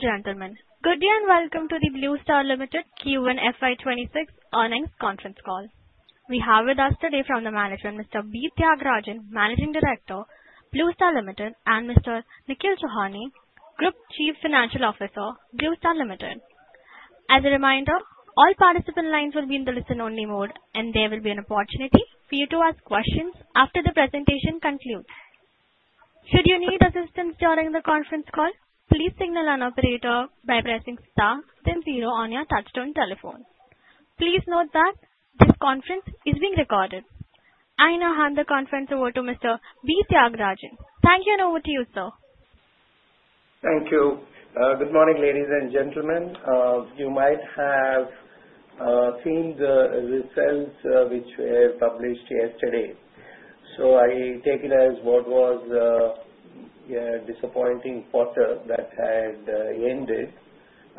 Ladies and gentlemen, good day and welcome to the Blue Star Limited Q1 FY 2026 earnings conference call. We have with us today from the management Mr. B. Thiagarajan, Managing Director, Blue Star Limited, and Mr. Nikhil Sohoni, Group Chief Financial Officer, Blue Star Limited. As a reminder, all participant lines will be in the listen-only mode, and there will be an opportunity for you to ask questions after the presentation concludes. Should you need assistance during the conference call, please signal an operator by pressing star ten on your touchtone telephone. Please note that this conference is being recorded. I now hand the conference over to Mr. B. Thiagarajan. Thank you, and over to you, sir. Thank you. Good morning, ladies and gentlemen. You might have seen the results which were published yesterday. I take it as what was a disappointing quarter that had ended.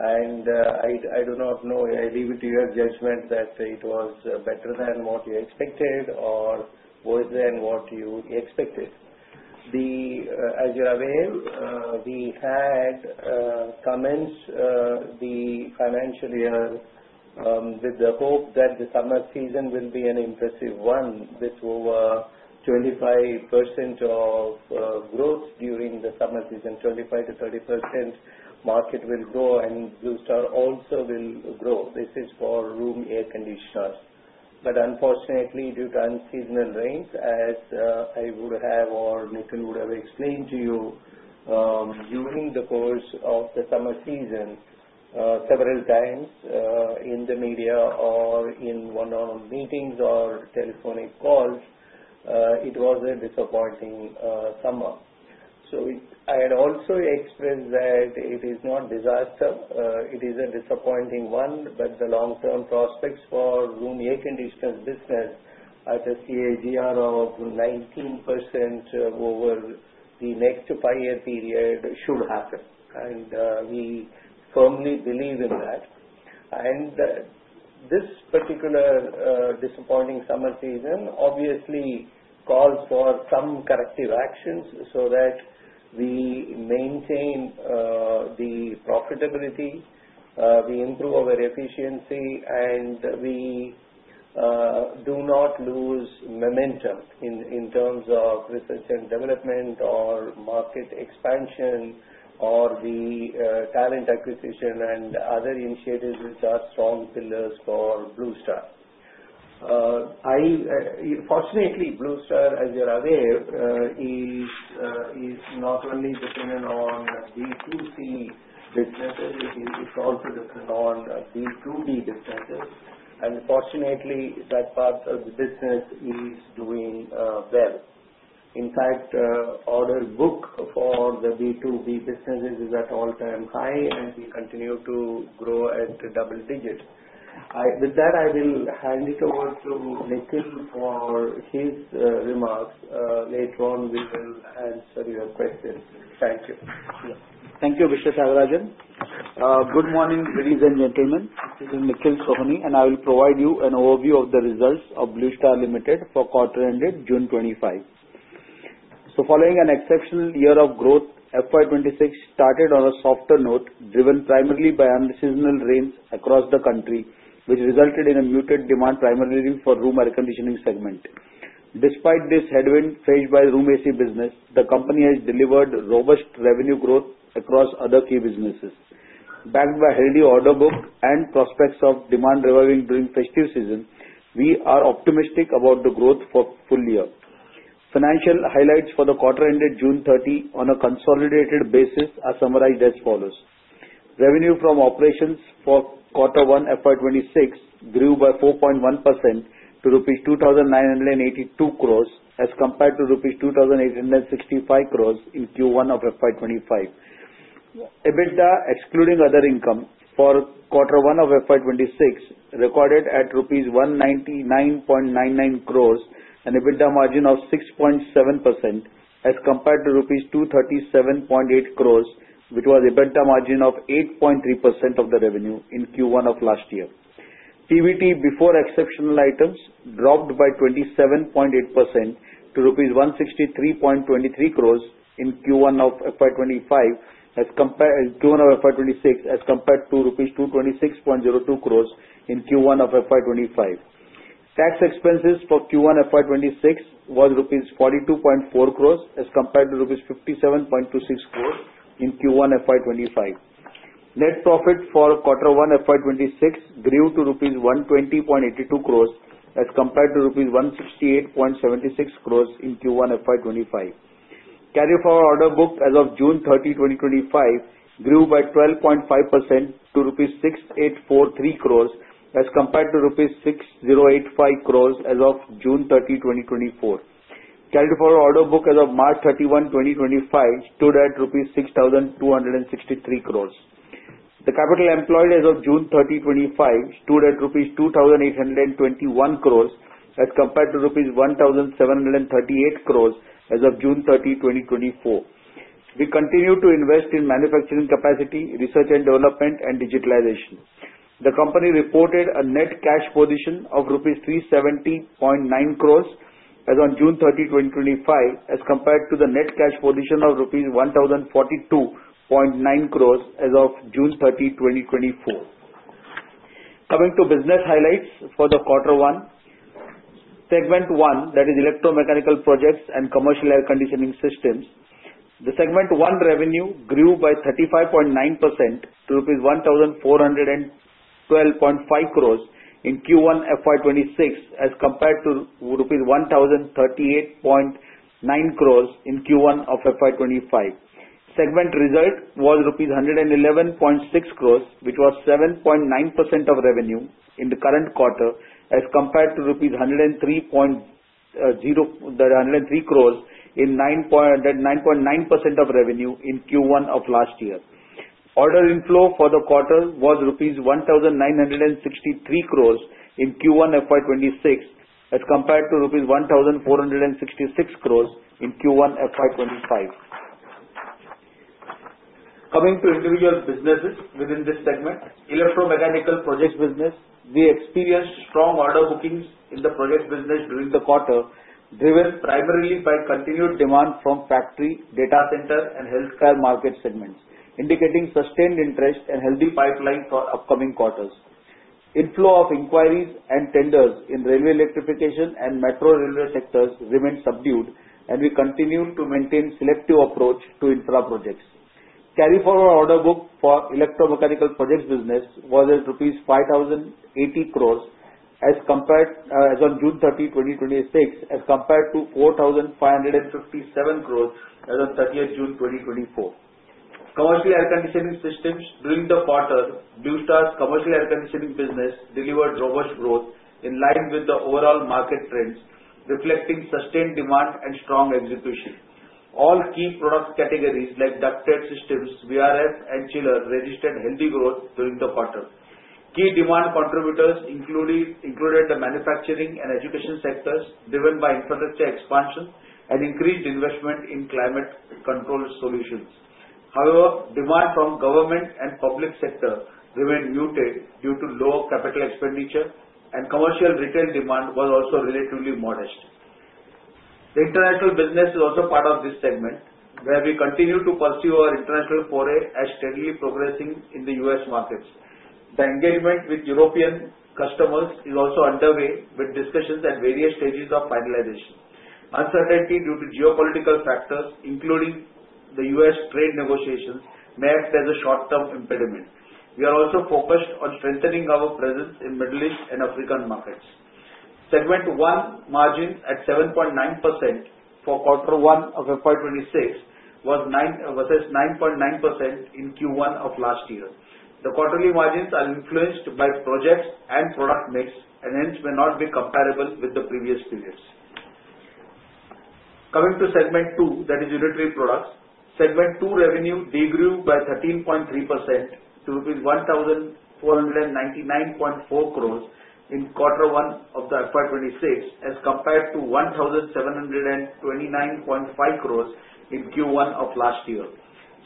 I do not know, I leave it to your judgment that it was better than what you expected or worse than what you expected. As you're aware, we had commenced the financial year with the hope that the summer season will be an impressive one with over 25% of growth during the summer season. 25%-30% market will grow, and Blue Star also will grow. This is for room air conditioners. Unfortunately, due to unseasonal rains, as I would have or Nikhil would have explained to you during the course of the summer season several times, in the media or in one of our meetings or telephonic calls, it was a disappointing summer. I had also expressed that it is not a disaster. It is a disappointing one, but the long-term prospects for room air conditioners business at a CAGR of 19% over the next five-year period should happen. We firmly believe in that. This particular disappointing summer season obviously calls for some corrective actions so that we maintain the profitability, we improve our efficiency, and we do not lose momentum in terms of research and development or market expansion or the talent acquisition and other initiatives which are strong pillars for Blue Star. Fortunately, Blue Star, as you're aware, is not only just in and on the 2C business. It is also the non-B2B businesses. Fortunately, that part of the business is doing well. In fact, the order book for the B2B businesses is at all-time high, and we continue to grow at double digits. With that, I will hand it over to Nikhil for his remarks. Later on, we will answer your questions. Thank you. Thank you, Mr. Thiagarajan. Good morning, ladies and gentlemen. This is Nikhil Sohoni, and I will provide you an overview of the results of Blue Star Limited for quarter ended June 2025. Following an exceptional year of growth, FY 2026 started on a softer note, driven primarily by unseasonal rains across the country, which resulted in a muted demand primarily for room air conditioning segment. Despite this headwind faced by the room air conditioners business, the company has delivered robust revenue growth across other key businesses. Backed by a healthy order book and prospects of demand reviving during the festive season, we are optimistic about the growth for the full year. Financial highlights for the quarter ended June 30 on a consolidated basis are summarized as follows. Revenue from operations for quarter one FY 2026 grew by 4.1% to rupees 2,982 crore as compared to rupees 2,865 crore in Q1 of FY 2025. EBITDA, excluding other income, for quarter one of FY 2026 recorded at rupees 199.99 crore and an EBITDA margin of 6.7% as compared to rupees 237.8 crore, which was an EBITDA margin of 8.3% of the revenue in Q1 of last year. PBT before exceptional items dropped by 27.8% to rupees 163.23 crore in Q1 of FY 2026 as compared to rupees 226.02 crore in Q1 of FY 2025. Tax expenses for Q1 FY 2026 were rupees 42.4 crore as compared to rupees 57.26 crore in Q1 FY 2025. Net profit for quarter one FY 2026 grew to INR 120.82 crore as compared to INR 168.76 crore in Q1 FY 2025. Carry forward order book as of June 30, 2025 grew by 12.5% to rupees 6,843 crore as compared to rupees 6,085 crore as of June 30, 2024. Carry forward order book as of March 31, 2025 stood at INR 6,263 crore. The capital employed as of June 30, 2025 stood at INR 2,821 crore as compared to INR 1,738 crore as of June 30, 2024. We continue to invest in manufacturing capacity, research and development, and digitalization. The company reported a net cash position of rupees 370.9 crore as on June 30, 2025 as compared to the net cash position of rupees 1,042.9 crore as of June 30, 2024. Coming to business highlights for the quarter one, segment one, that is electromechanical projects and commercial air conditioning systems. The segment one revenue grew by 35.9% to rupees 1,412.5 crore in Q1 FY 2026 as compared to rupees 1,038.9 crore in Q1 of FY 2025. Segment result was rupees 111.6 crore, which was 7.9% of revenue in the current quarter as compared to rupees 103.0 crore and 9.9% of revenue in Q1 of last year. Order inflow for the quarter was INR rupees 1,963 crores in Q1 FY 2026 as compared to rupees 1,466 crores in Q1 FY 2025. Coming to individual businesses within this segment, electromechanical projects business, we experienced strong order bookings in the project business during the quarter, driven primarily by continued demand from factory, data center, and healthcare market segments, indicating sustained interest and healthy pipeline for upcoming quarters. Influx of inquiries and tenders in railway electrification and metro railway sectors remains subdued, and we continue to maintain a selective approach to infra projects. Carry forward order book for electromechanical projects business was at rupees 5,080 crores as on June 30, 2026, as compared to 4,557 crores as of June 30, 2024. Commercial air conditioning systems during the quarter, Blue Star's commercial air conditioning business delivered robust growth in line with the overall market trends, reflecting sustained demand and strong execution. All key product categories like ducted systems, VRF, and chillers registered healthy growth during the quarter. Key demand contributors included the manufacturing and education sectors, driven by infrastructure expansion and increased investment in climate control solutions. However, demand from government and public sector remained muted due to lower capital expenditure, and commercial retail demand was also relatively modest. The international business is also part of this segment, where we continue to pursue our international foray as steadily progressing in the U.S. markets. The engagement with European customers is also underway with discussions at various stages of finalization. Uncertainty due to geopolitical factors, including the U.S. trade negotiations, may act as a short-term impediment. We are also focused on strengthening our presence in the Middle East and African markets. Segment one margins at 7.9% for quarter one of FY 2026 was 9.9% in Q1 of last year. The quarterly margins are influenced by projects and product mix, and hence may not be comparable with the previous periods. Coming to segment two, that is unitary products, segment two revenue did grow by 13.3% to rupees 1,499.4 crores in quarter one of the FY 2026 as compared to 1,729.5 crores in Q1 of last year.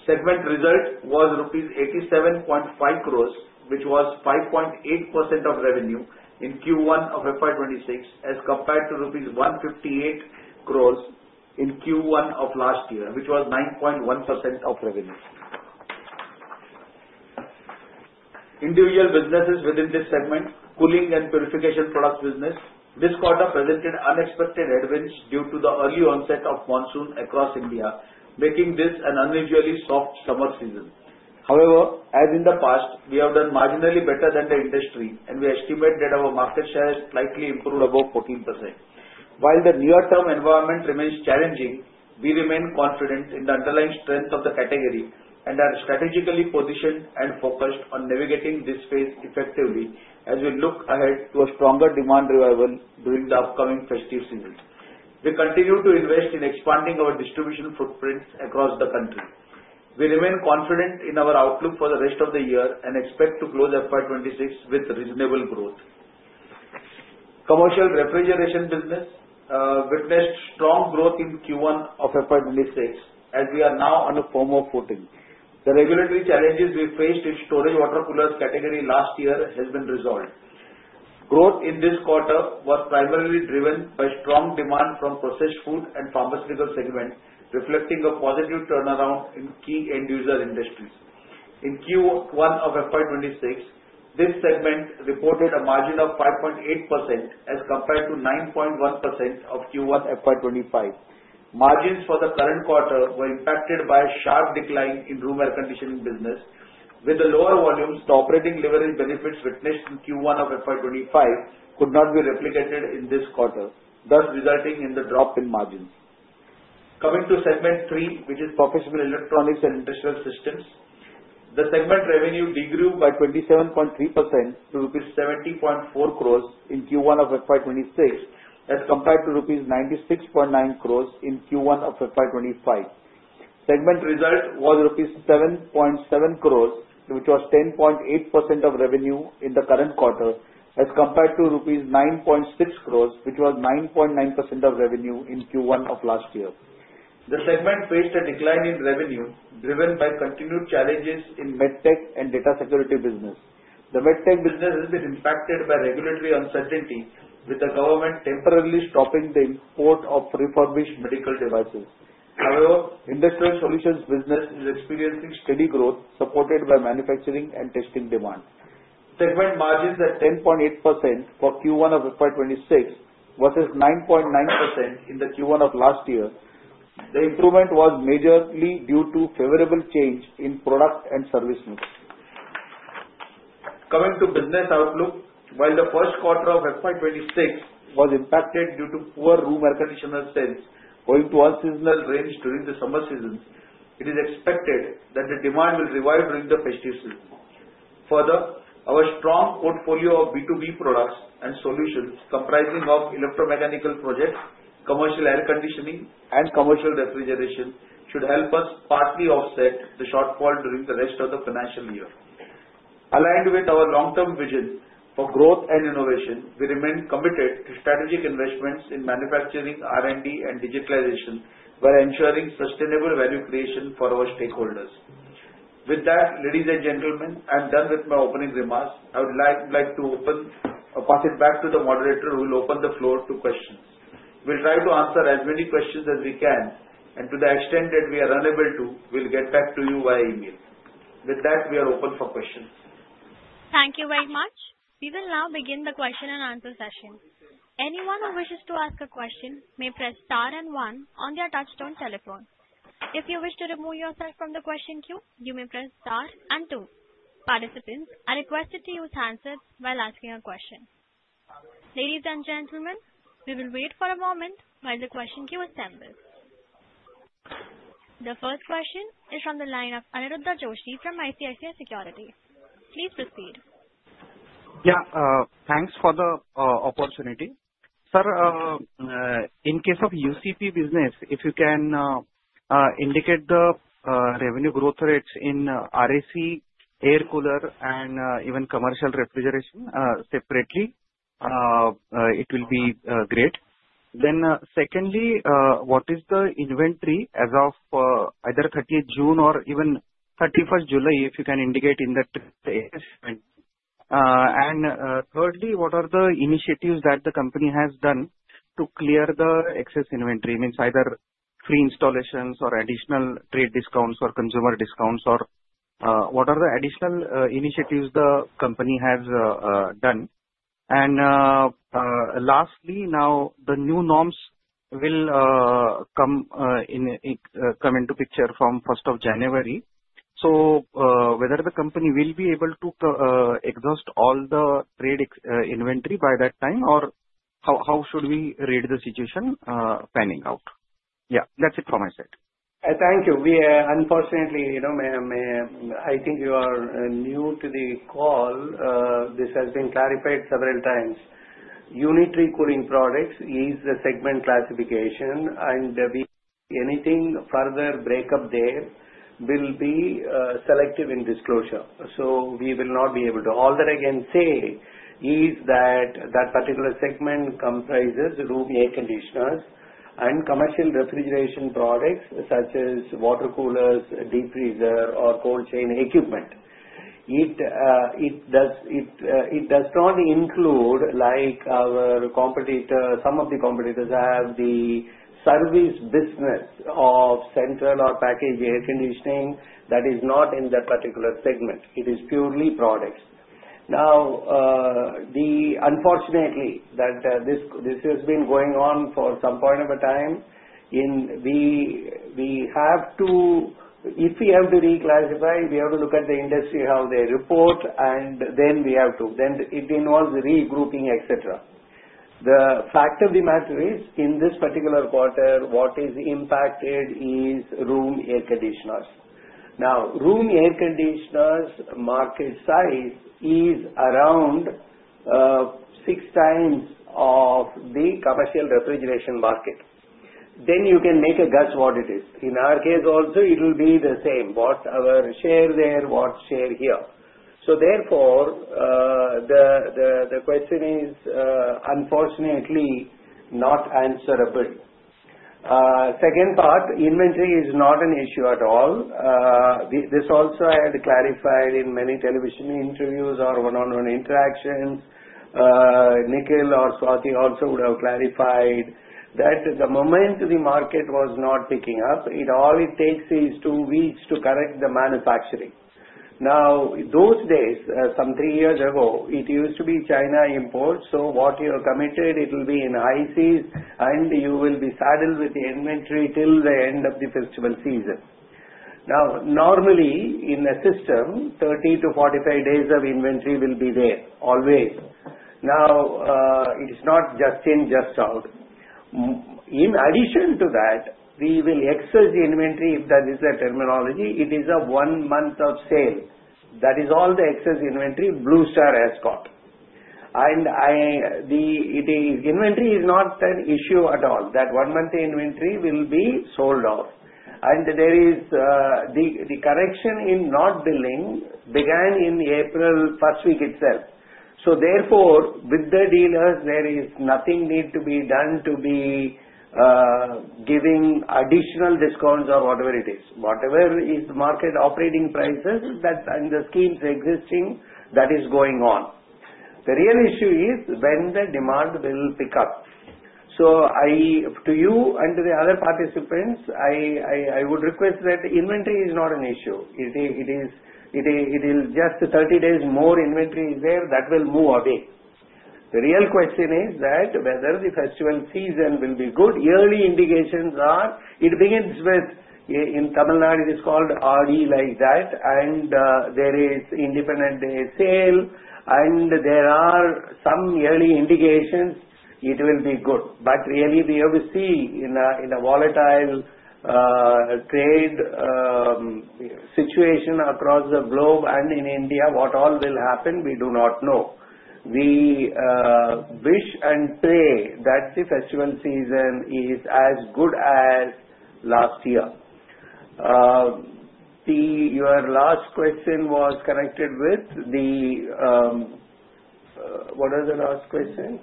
Segment result was rupees 87.5 crores, which was 5.8% of revenue in Q1 of FY 2026 as compared to rupees 158 crores in Q1 of last year, which was 9.1% of revenues. Individual businesses within this segment, cooling and purification products business, this quarter presented unexpected headwinds due to the early onset of monsoon across India, making this an unusually soft summer season. However, as in the past, we have done marginally better than the industry, and we estimate that our market share has slightly improved above 14%. While the near-term environment remains challenging, we remain confident in the underlying strength of the category and are strategically positioned and focused on navigating this phase effectively as we look ahead to a stronger demand revival during the upcoming festive seasons. We continue to invest in expanding our distribution footprints across the country. We remain confident in our outlook for the rest of the year and expect to close FY 2026 with reasonable growth. Commercial refrigeration business witnessed strong growth in Q1 of FY 2026 as we are now on a formal footing. The regulatory challenges we faced with storage water coolers category last year have been resolved. Growth in this quarter was primarily driven by strong demand from the processed food and pharmaceutical segment, reflecting a positive turnaround in key end-user industries. In Q1 of FY 2026, this segment reported a margin of 5.8% as compared to 9.1% of Q1 FY 2025. Margins for the current quarter were impacted by a sharp decline in the room air conditioning business. With the lower volumes, the operating leverage benefits witnessed in Q1 of FY 2025 could not be replicated in this quarter, thus resulting in the drop in margins. Coming to segment three, which is professional electronics and industrial systems, the segment revenue did grow by 27.3% to rupees 70.4 crores in Q1 of FY 2026 as compared to rupees 96.9 crores in Q1 of FY 2025. Segment result was rupees 7.7 crores, which was 10.8% of revenue in the current quarter, as compared to rupees 9.6 crores, which was 9.9% of revenue in Q1 of last year. The segment faced a decline in revenue driven by continued challenges in the Medtech and data security business. The Medtech business has been impacted by regulatory uncertainty, with the government temporarily stopping the import of refurbished medical devices. However, industrial solutions business is experiencing steady growth, supported by manufacturing and testing demand. Segment margins at 10.8% for Q1 of FY 2026 versus 9.9% in the Q1 of last year. The improvement was majorly due to a favorable change in product and services. Coming to business outlook, while the first quarter of FY 2026 was impacted due to poor room air conditioner stands owing to unseasonal rains during the summer season, it is expected that the demand will revive during the festive season. Further, our strong portfolio of B2B products and solutions comprising electromechanical projects, commercial air conditioning, and commercial refrigeration should help us partly offset the shortfall during the rest of the financial year. Aligned with our long-term vision for growth and innovation, we remain committed to strategic investments in manufacturing, R&D, and digitalization while ensuring sustainable value creation for our stakeholders. With that, ladies and gentlemen, I'm done with my opening remarks. I would like to pass it back to the moderator who will open the floor to questions. We'll try to answer as many questions as we can, and to the extent that we are unable to, we'll get back to you via email. With that, we are open for questions. Thank you very much. We will now begin the question and answer session. Anyone who wishes to ask a question may press star and one on their touchstone telephone. If you wish to remove yourself from the question queue, you may press star and two. Participants are requested to use handsets while asking a question. Ladies and gentlemen, we will wait for a moment while the question queue assembles. The first question is from the line of Aniruddha Joshi from ICICI Securities. Please proceed. Yeah, thanks for the opportunity. Sir, in case of UCP business, if you can indicate the revenue growth rates in room air conditioners, air cooler, and even commercial refrigeration separately, it will be great. Secondly, what is the inventory as of either June 30 or even July 31 if you can indicate in that space? Thirdly, what are the initiatives that the company has done to clear the excess inventory? It means either free installations or additional trade discounts or consumer discounts or what are the additional initiatives the company has done? Lastly, now the new norms will come into picture from January 1. Whether the company will be able to exhaust all the trade inventory by that time or how should we read the situation panning out? Yeah, that's it from my side. Thank you. Unfortunately, you know, I think you are new to the call. This has been clarified several times. Unitary cooling products is the segment classification, and anything further breakup there will be selective in disclosure. We will not be able to. All that I can say is that that particular segment comprises room air conditioners and commercial refrigeration products such as water coolers, deep freezer, or cold chain equipment. It does not include, like our competitor, some of the competitors have the service business of central or packaged air conditioning. That is not in that particular segment. It is purely products. Unfortunately, this has been going on for some point of a time. If we have to reclassify, we have to look at the industry, how they report, and then it involves regrouping, etc. The fact of the matter is in this particular quarter, what is impacted is room air conditioners. Room air conditioners market size is around six times of the commercial refrigeration market. You can make a guess what it is. In our case, also, it will be the same. What's our share there? What's share here? Therefore, the question is unfortunately not answerable. Second part, inventory is not an issue at all. This also had clarified in many television interviews or one-on-one interactions. Nikhil or Swati also would have clarified that the moment the market was not picking up, it only takes these two weeks to correct the manufacturing. Those days, some three years ago, it used to be China imports. What you're committed, it will be in high seas and you will be saddled with the inventory till the end of the festival season. Normally in the system, 30 to 45 days of inventory will be there always. It is not just in, just out. In addition to that, we will excess inventory, if that is the terminology, it is a one month of sale. That is all the excess inventory Blue Star has got. The inventory is not an issue at all. That one-month inventory will be sold off. There is the correction in not billing began in April, first week itself. Therefore, with the dealers, there is nothing need to be done to be giving additional discounts or whatever it is. Whatever is the market operating prices that's in the schemes existing, that is going on. The real issue is when the demand will pick up. To you and to the other participants, I would request that inventory is not an issue. It is just 30 days more inventory is there, that will move away. The real question is that whether the festival season will be good. Early indications are, it begins with, in Tamil Nadu, it is called Aadhi like that, and there is Independence Day sale, and there are some early indications it will be good. We have to see in a volatile trade situation across the globe and in India what all will happen, we do not know. We wish and pray that the festival season is as good as last year. Your last question was connected with the, what was the last question?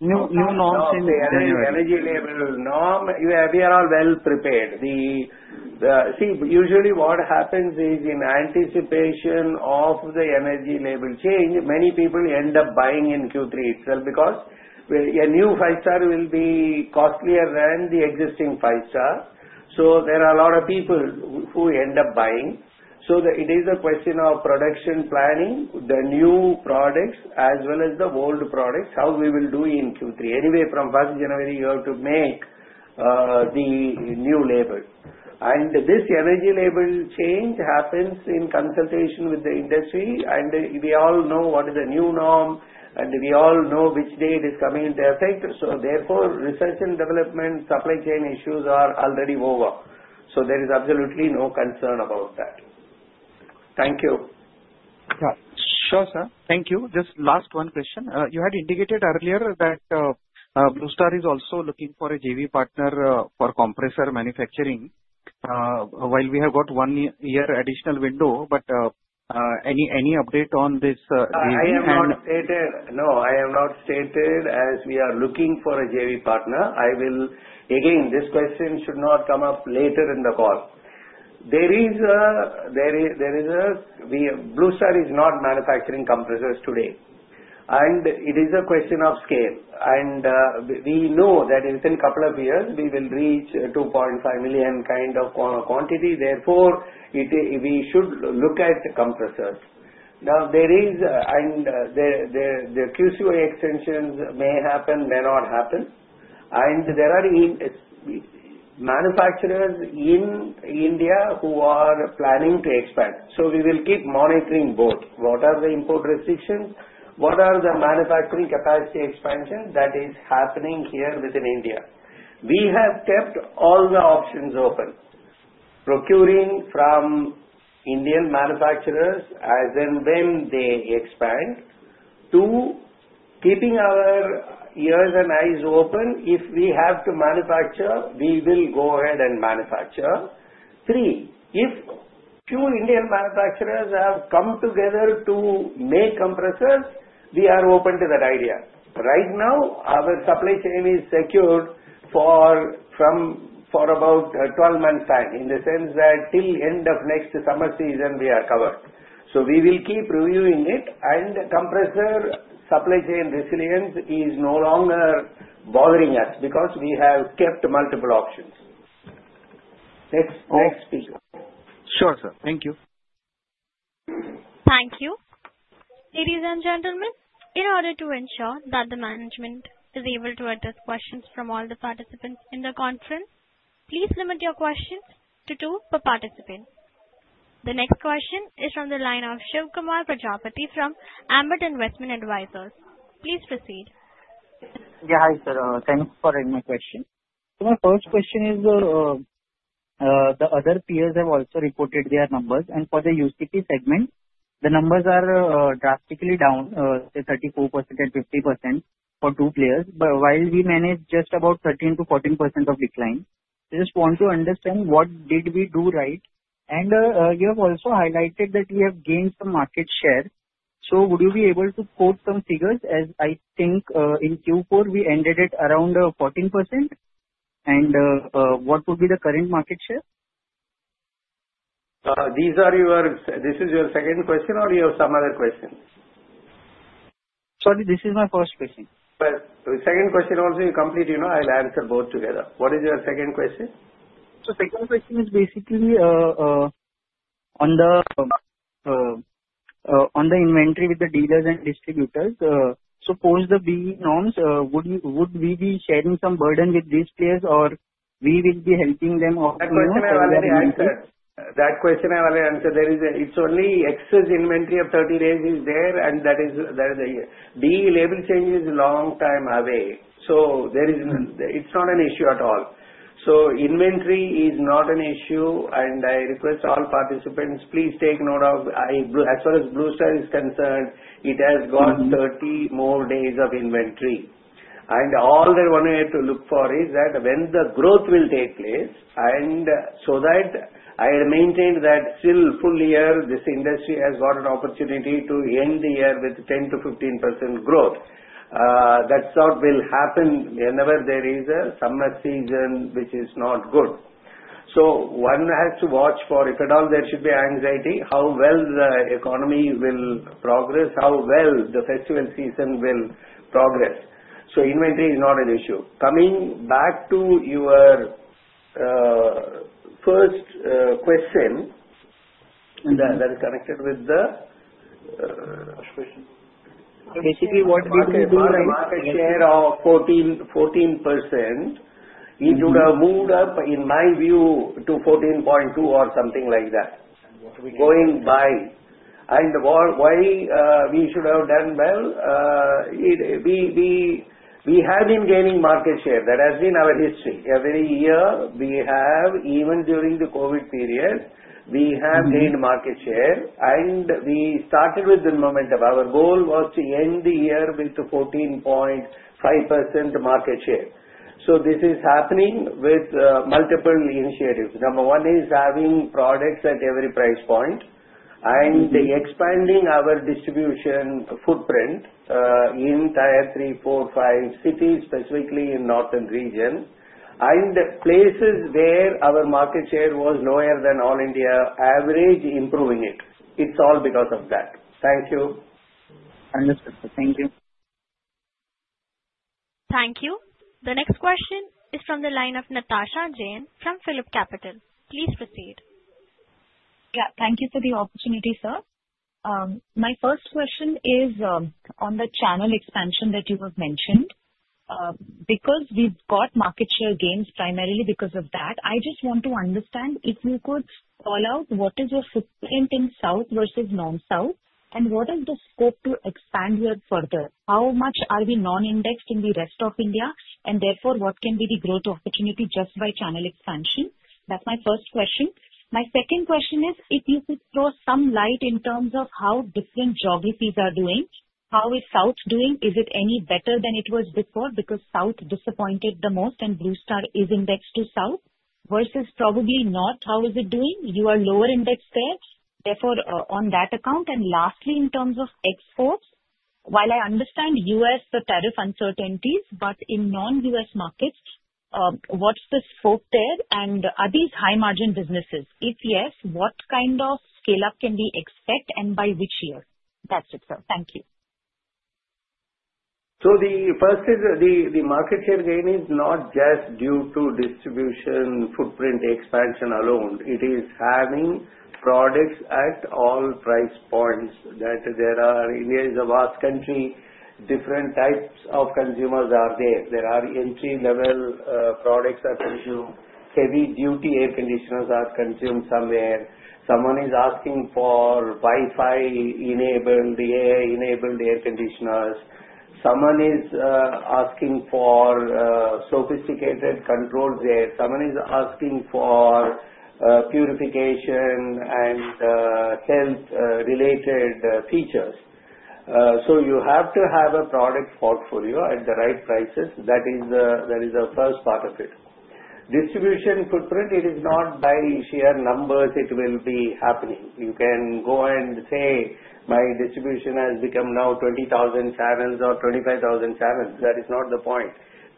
Norms in the energy label. No, no norms. We are all well prepared. Usually what happens is in anticipation of the energy label change, many people end up buying in Q3 itself because a new five-star will be costlier than the existing five-star. There are a lot of people who end up buying. It is a question of production planning, the new products as well as the old products, how we will do in Q3. Anyway, from January 1 you have to make the new label. This energy label change happens in consultation with the industry, and we all know what is the new norm, and we all know which day it is coming into effect. Therefore, research and development, supply chain issues are already over. There is absolutely no concern about that. Thank you. Sure, sir. Thank you. Just last one question. You had indicated earlier that Blue Star is also looking for a JV partner for compressor manufacturing while we have got one year additional window. Any update on this? No, I have not stated as we are looking for a JV partner. I will, again, this question should not come up later in the call. Blue Star is not manufacturing compressors today. It is a question of scale, and we know that within a couple of years, we will reach 2.5 million kind of quantity. Therefore, we should look at the compressors. The QCY extensions may happen, may not happen. There are manufacturers in India who are planning to expand. We will keep monitoring both. What are the import restrictions? What are the manufacturing capacity expansions that are happening here within India? We have kept all the options open, procuring from Indian manufacturers as and when they expand to keeping our ears and eyes open. If we have to manufacture, we will go ahead and manufacture. If few Indian manufacturers have come together to make compressors, we are open to that idea. Right now, our supply chain is secured for about 12 months back in the sense that till the end of next summer season, we are covered. We will keep reviewing it, and the compressor supply chain resilience is no longer bothering us because we have kept multiple options. Sure, sir. Thank you. Thank you. Ladies and gentlemen, in order to ensure that the management is able to address questions from all the participants in the conference, please limit your questions to two per participant. The next question is from the line of Shivkumar Prajapati from Ambit Investment Advisors. Please proceed. Yeah, hi, sir. Thanks for adding my question. My first question is, the other players have also reported their numbers, and for the UCP segment, the numbers are drastically down, say 34% and 50% for two players. While we manage just about 13%-14% of decline, I just want to understand what did we do right? You have also highlighted that we have gained some market share. Would you be able to quote some figures as I think in Q4, we ended it around 14%? What would be the current market share? Is this your second question or do you have some other questions? Sorry, this is my first question. What is your second question? You know I'll answer both together. The second question is basically on the inventory with the dealers and distributors. Suppose the B norms, would we be sharing some burden with these players or we will be helping them? That question I already answered. It's only excess inventory of 30 days is there, and that is the B level change is a long time away. It is not an issue at all. Inventory is not an issue, and I request all participants, please take note of, as far as Blue Star is concerned, it has got 30 more days of inventory. All they wanted to look for is that when the growth will take place, and I had maintained that still full year, this industry has got an opportunity to end the year with 10%-15% growth. That's what will happen whenever there is a summer season which is not good. One has to watch for, if at all there should be anxiety, how well the economy will progress, how well the festival season will progress. Inventory is not an issue. Coming back to your first question that is connected with the question. Basically, what we can do is a market share of 14%. It would have moved up, in my view, to 14.2% or something like that. We're going by. Why we should have done well? We have been gaining market share. That has been our history. Every year, even during the COVID periods, we have gained market share, and we started with the momentum. Our goal was to end the year with 14.5% market share. This is happening with multiple initiatives. Number one is having products at every price point and expanding our distribution footprint in tier three, four, five cities, specifically in the northern region and places where our market share was lower than all India average, improving it. It's all because of that. Thank you. Understood, sir. Thank you. Thank you. The next question is from the line of Natasha Jain from PhillipCapital. Please proceed. Thank you for the opportunity, sir. My first question is on the channel expansion that you have mentioned. Because we've got market share gains primarily because of that, I just want to understand if you could spell out what is your footprint in South versus non-South and what is the scope to expand here further? How much are we non-indexed in the rest of India and therefore what can be the growth opportunity just by channel expansion? That's my first question. My second question is if you could throw some light in terms of how different geographies are doing. How is South doing? Is it any better than it was before because South disappointed the most and Blue Star is indexed to South versus probably North? How is it doing? You are lower indexed there, therefore on that account. Lastly, in terms of exports, while I understand U.S., the tariff uncertainties, in non-U.S. markets, what's the scope there and are these high-margin businesses? If yes, what kind of scale-up can we expect and by which year? That's it, sir. Thank you. The first is the market share gain is not just due to distribution footprint expansion alone. It is having products at all price points that there are. India is a vast country. Different types of consumers are there. There are entry-level products that are issued. Heavy-duty air conditioners are consumed somewhere. Someone is asking for Wi-Fi-enabled, AI-enabled air conditioners. Someone is asking for sophisticated controls there. Someone is asking for purification and health-related features. You have to have a product portfolio at the right prices. That is the first part of it. Distribution footprint, it is not by share numbers it will be happening. You can go and say my distribution has become now 20,000 channels or 25,000 channels. That is not the point.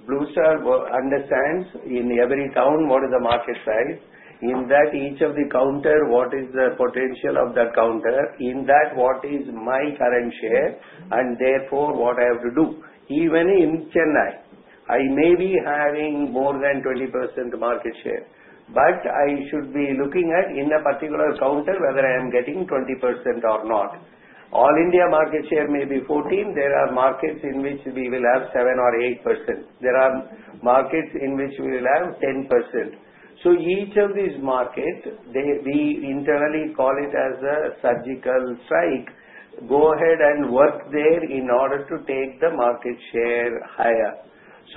Blue Star understands in every town what is the market size. In that, each of the counter, what is the potential of that counter? In that, what is my current share and therefore what I have to do? Even in Chennai, I may be having more than 20% market share, but I should be looking at in a particular counter whether I am getting 20% or not. All India market share may be 14%. There are markets in which we will have 7% or 8%. There are markets in which we will have 10%. Each of these markets, we internally call it as a surgical strike, go ahead and work there in order to take the market share higher.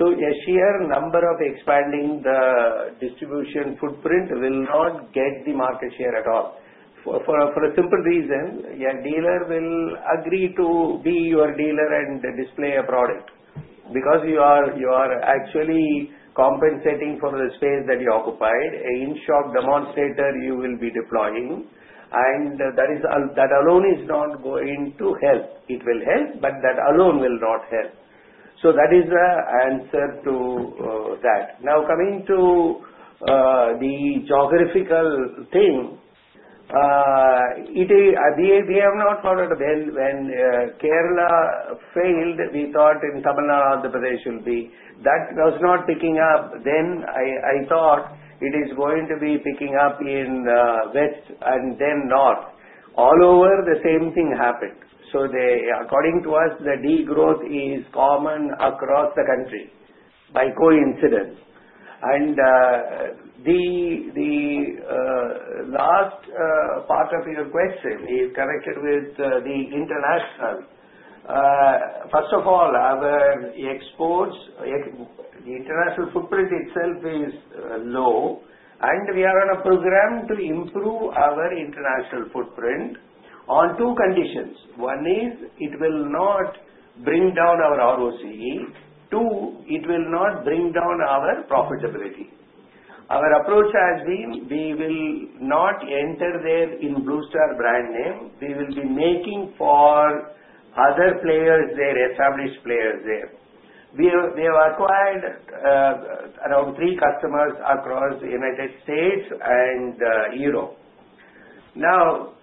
A share number of expanding the distribution footprint will not get the market share at all for a simple reason. Your dealer will agree to be your dealer and display a product because you are actually compensating for the space that you occupied. In short, demonstrator you will be deploying. That alone is not going to help. It will help, but that alone will not help. That is the answer to that. Now coming to the geographical thing, we have not thought of when Kerala failed. We thought in Tamil Nadu the place should be. That was not picking up. I thought it is going to be picking up in West and then North. All over the same thing happened. According to us, the degrowth is common across the country by coincidence. The last part of your question is connected with the international. First of all, our exports, the international footprint itself is low, and we are on a program to improve our international footprint on two conditions. One is it will not bring down our ROC. Two, it will not bring down our profitability. Our approach has been we will not enter there in Blue Star brand name. We will be making for other players there, established players there. We have acquired around three customers across the U.S. and Europe. Now,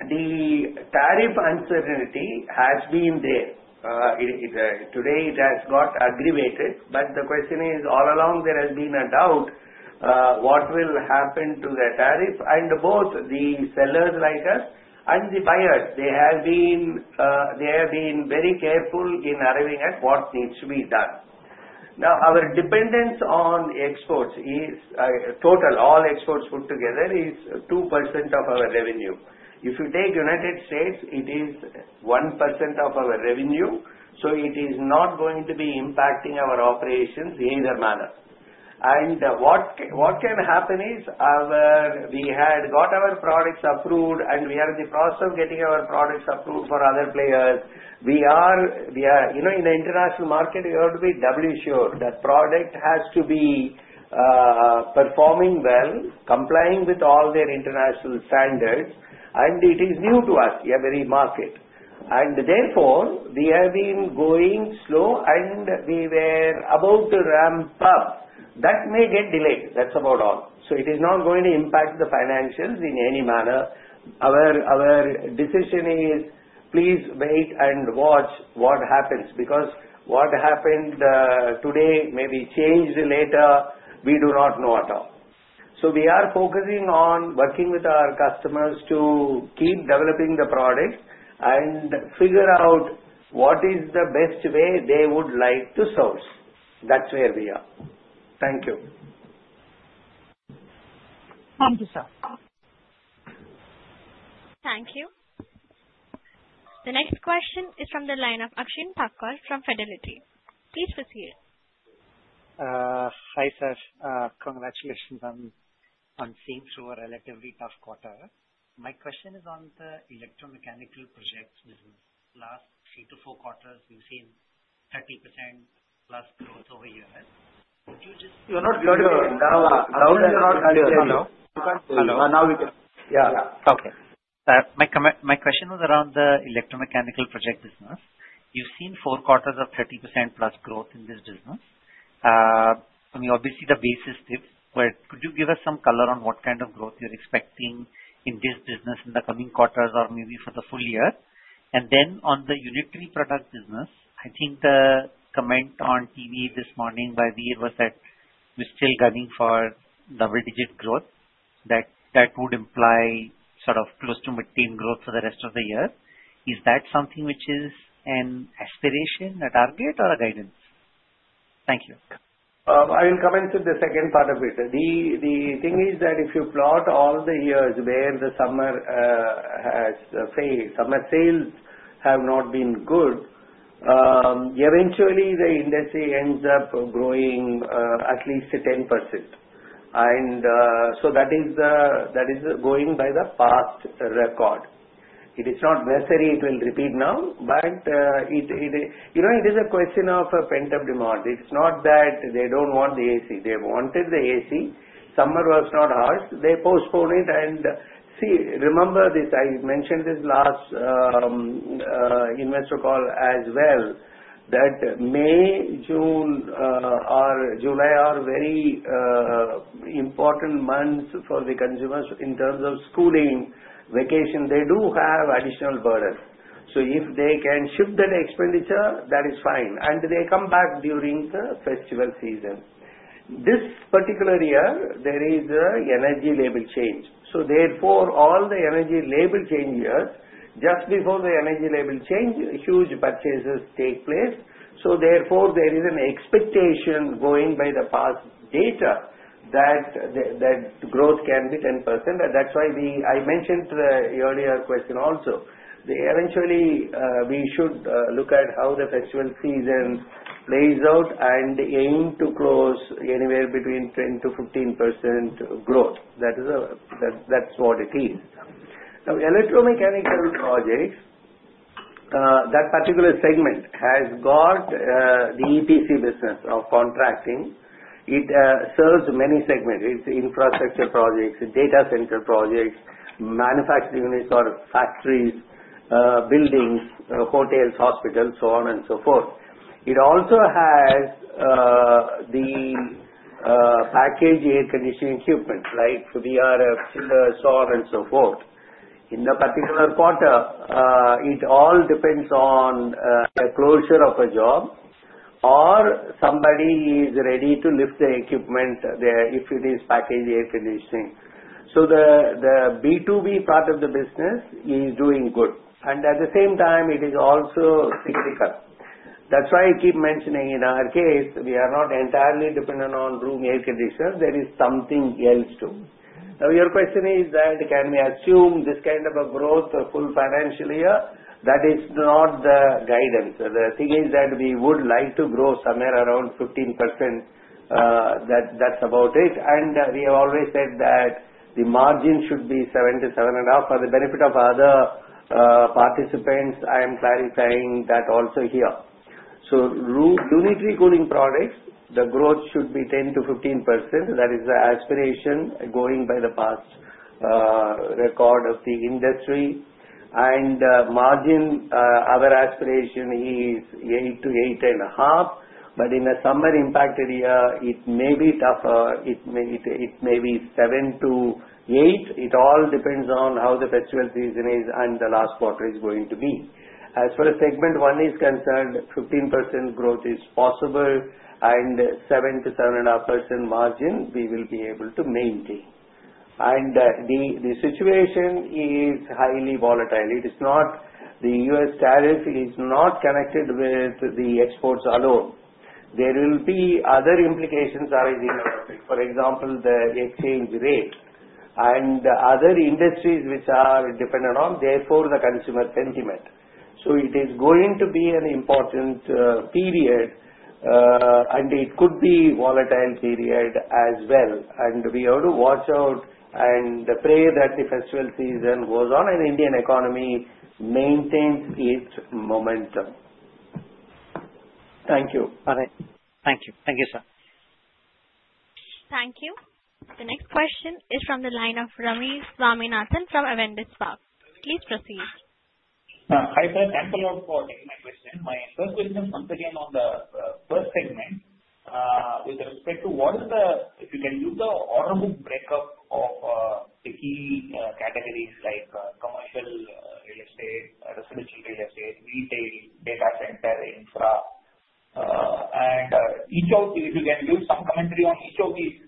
the tariff uncertainty has been there. Today, it has got aggravated, but the question is all along there has been a doubt what will happen to the tariff. Both the sellers like us and the buyers, they have been very careful in arriving at what needs to be done. Our dependence on exports is total. All exports put together is 2% of our revenue. If you take the U.S., it is 1% of our revenue. It is not going to be impacting our operations in either manner. What can happen is we had got our products approved, and we are in the process of getting our products approved for other players. In the international market, we have to be double sure that product has to be performing well, complying with all their international standards. It is new to us, every market. Therefore, we have been going slow, and we were about to ramp up. That may get delayed. That's about all. It is not going to impact the financials in any manner. Our decision is please wait and watch what happens because what happened today may be changed later. We do not know at all. We are focusing on working with our customers to keep developing the products and figure out what is the best way they would like to source. That's where we are. Thank you. Thank you, sir. Thank you. The next question is from the line of Akshen Thakkar from Fidelity. Please proceed. Hi, sir. Congratulations on seeing through a relatively tough quarter. My question is on the electromechanical projects. The last three to four quarters, you've seen 30%+ growth over years. Would you just, you're not glad. Yeah. Okay. My question was around the electromechanical projects business. You've seen four quarters of 30%+ growth in this business. Obviously, the base is stiff, but could you give us some color on what kind of growth you're expecting in this business in the coming quarters or maybe for the full year? On the unitary cooling products business, I think the comment on TV this morning by Veer was that we're still going for double-digit growth. That would imply sort of close to mid-teens growth for the rest of the year. Is that something which is an aspiration, a target, or a guidance? Thank you. I will comment on the second part of it. The thing is that if you plot all the years where the summer has failed, summer sales have not been good, eventually, the industry ends up growing at least 10%. That is going by the past record. It is not necessary it will repeat now, but it is a question of pent-up demand. It's not that they don't want the AC. They wanted the AC. Summer was not us. They postponed it. Remember this, I mentioned this last investor call as well that May, June, or July are very important months for the consumers in terms of schooling, vacation. They do have additional burden. If they can shift their expenditure, that is fine. They come back during the festival season. This particular year, there is an energy label change. Therefore, all the energy label change years, just before the energy label change, huge purchases take place. Therefore, there is an expectation going by the past data that the growth can be 10%. That's why I mentioned the earlier question also. Eventually, we should look at how the festival season plays out and aim to close anywhere between 10%-15% growth. That is what it is. Electromechanical projects, that particular segment has got the EPC business of contracting. It serves many segments. It's infrastructure projects, data center projects, manufacturing units or factories, buildings, hotels, hospitals, so on and so forth. It also has the packaged air conditioning equipment like VRFs, chillers, so on and so forth. In the particular quarter, it all depends on a closure of a job or somebody is ready to lift the equipment there if it is packaged air conditioning. The B2B part of the business is doing good. At the same time, it is also significant. That's why I keep mentioning in our case, we are not entirely dependent on room air conditioners. There is something else too. Now, your question is that can we assume this kind of a growth, a full financial year? That is not the guidance. The thing is that we would like to grow somewhere around 15%. That's about it. We have always said that the margin should be 7%-7.5% for the benefit of other participants. I am clarifying that also here. Unitary cooling products, the growth should be 10%-15%. That is the aspiration going by the past record of the industry. The margin, our aspiration is 8%-8.5%. In a summer impacted year, it may be tougher. It may be 7%-8%. It all depends on how the festival season is and the last quarter is going to be. As far as segment one is concerned, 15% growth is possible and 7%-7.5% margin we will be able to maintain. The situation is highly volatile. It is not that the U.S. tariff is connected with the exports alone. There will be other implications arising, for example, the exchange rate and other industries which are dependent on, therefore, the consumer sentiment. It is going to be an important period, and it could be a volatile period as well. We have to watch out and pray that the festival season goes on and the Indian economy maintains its momentum. Thank you. All right. Thank you. Thank you, sir. Thank you. The next question is from the line of [Ramesh Swaminathan] Avendus Spark. please proceed. Hi, sir. Thanks a lot for the question. My first question is once again on the first segment with respect to what is the, if you can give the orderable breakup of the key categories like commercial real estate, residential real estate, retail, data center, infra. If you can do some commentary on each of these,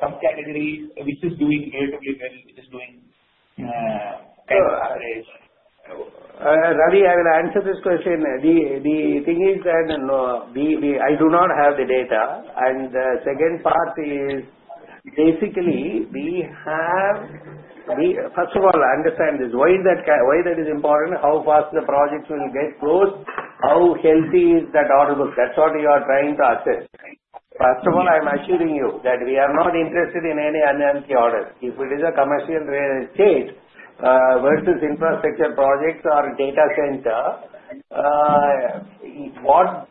some categories which is doing relatively well, which is doing kind of. Ravi, I will answer this question. The thing is that I do not have the data. The second part is basically we have, first of all, understand this. Why is that, why that is important? How fast the projects will get closed? How healthy is that order book? That's what we are trying to assess. First of all, I'm assuring you that we are not interested in any unhealthy order. If it is a commercial real estate versus infrastructure projects or data center, what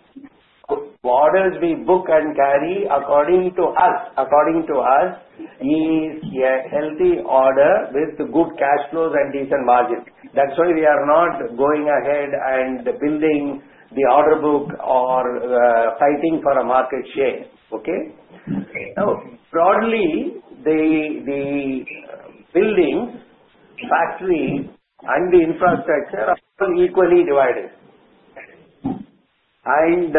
orders we book and carry according to us is a healthy order with good cash flows and decent margin. That's why we are not going ahead and building the order book or fighting for a market share. Now, broadly, the buildings, factories, and the infrastructure are equally divided. In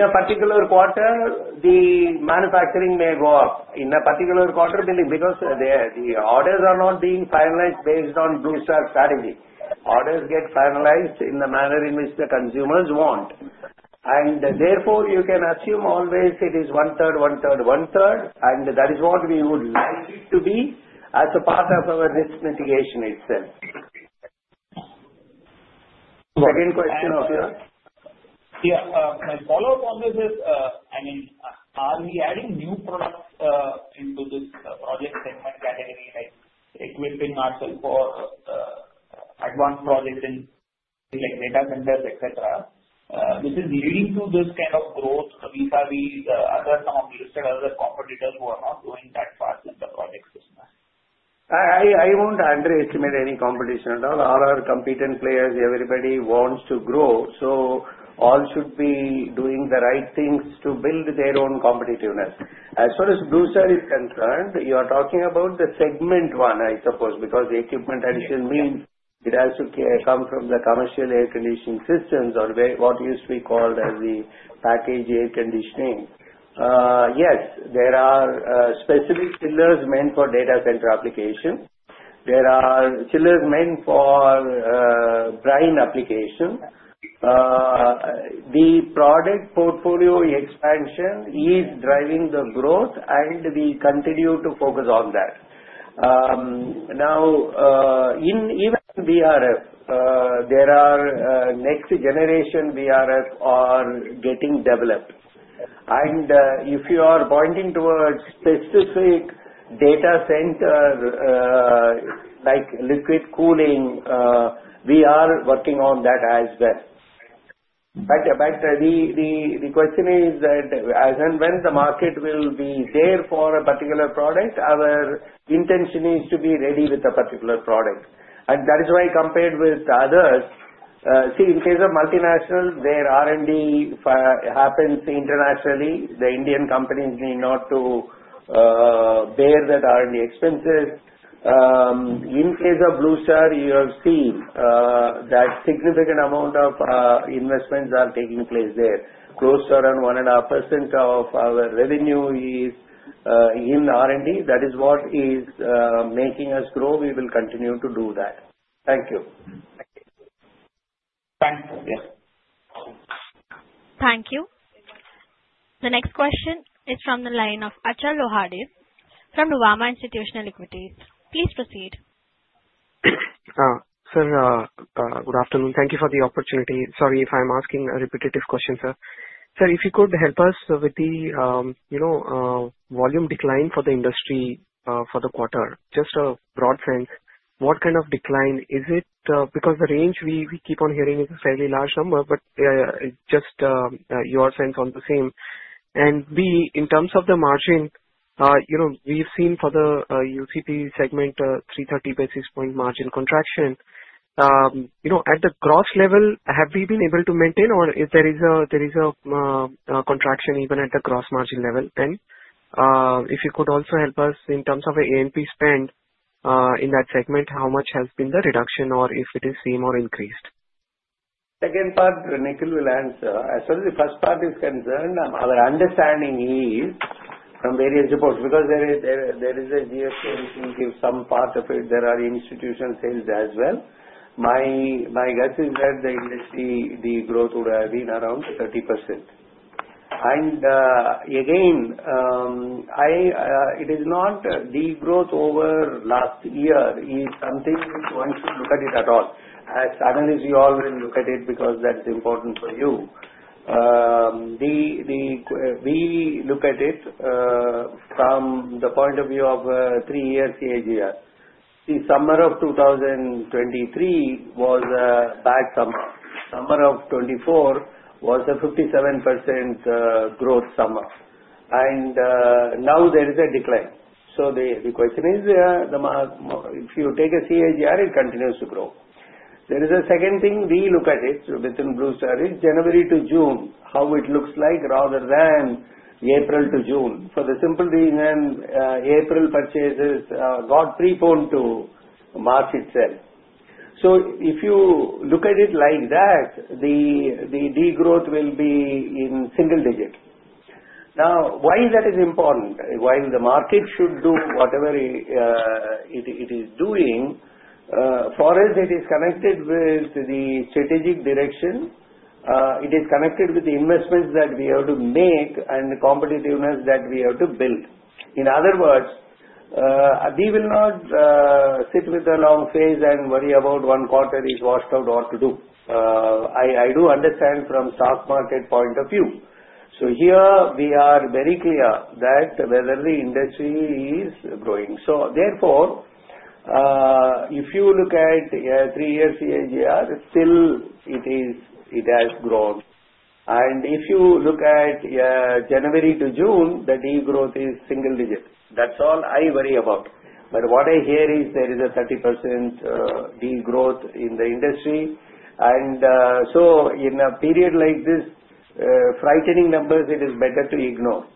a particular quarter, the manufacturing may go up. In a particular quarter, building, because the orders are not being finalized based on Blue Star's strategy. Orders get finalized in the manner in which the consumers want. Therefore, you can assume always it is one third, one third, one third. That is what we would like to be as a part of our risk mitigation itself. Second question of yours. Yeah. My follow-up on this is, I mean, are we adding new products into this segment category like equipment, modular core, advanced provisions, data centers, etc.? This is leading to this kind of growth. These are the other non-U.S. and other competitors who are not going that fast in the project business. I won't underestimate any competition at all. All our competent players, everybody wants to grow. All should be doing the right things to build their own competitiveness. As far as Blue Star is concerned, you are talking about the segment one, I suppose, because the equipment addition means it has to come from the commercial air conditioning systems or what used to be called as the packaged air conditioning. Yes, there are specific chillers meant for data center application. There are chillers meant for brine application. The product portfolio expansion is driving the growth, and we continue to focus on that. Now, even VRF, there are next-generation VRF on getting developed. If you are pointing towards specific data centers like liquid cooling, we are working on that as well. The question is that as and when the market will be there for a particular product, our intention is to be ready with a particular product. That is why compared with others, see, in case of multinational, their R&D happens internationally. The Indian companies need not to bear that R&D expenses. In case of Blue Star, you have seen that a significant amount of investments are taking place there. Close to around 1.5% of our revenue is in R&D. That is what is making us grow. We will continue to do that. Thank you. Thank you. Thank you. The next question is from the line of Achal Lohade from Nuvama Institutional Equities. Please proceed. Sir, good afternoon. Thank you for the opportunity. Sorry if I'm asking a repetitive question, sir. If you could help us with the volume decline for the industry for the quarter. Just a broad sense, what kind of decline is it? The range we keep on hearing is a fairly large number, but just your sense on the same. In terms of the margin, we've seen for the UCP segment, the 330 basis point margin contraction. At the gross level, have we been able to maintain, or if there is a contraction even at the gross margin level? If you could also help us in terms of an A&P spend in that segment, how much has been the reduction or if it is the same or increased? Second part, Nikhil will answer. As far as the first part is concerned, our understanding is from various reports because there is a GSM thinking of some part of it. There are institutions here as well. My gut is that the industry growth would have been around 30%. It is not the growth over last year is something one should look at it at all. As analysts, you all will look at it because that's important for you. We look at it from the point of view of a three-year CAGR. The summer of 2023 was a bad summer. The summer of 2024 was a 57% growth summer. Now there is a decline. The question is, if you take a CAGR, it continues to grow. There is a second thing we look at within Blue Star. It's January to June, how it looks like rather than April to June for the simple reason April purchases got preponed to the market itself. If you look at it like that, the degrowth will be in single digits. Now, why is that important? When the market should do whatever it is doing, for us, it is connected with the strategic direction. It is connected with the investments that we have to make and the competitiveness that we have to build. In other words, we will not sit with a long face and worry about one quarter is washed out or to do. I do understand from the stock market point of view. Here, we are very clear that whether the industry is growing. Therefore, if you look at three-year CAGR, still it has grown. If you look at January to June, the degrowth is single digit. That's all I worry about. What I hear is there is a 30% degrowth in the industry. In a period like this, frightening numbers, it is better to ignore.